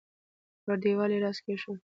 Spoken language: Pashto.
پر دېوال يې لاس کېښود.